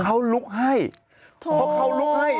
เขาลุกให้เพราะเขาลุกให้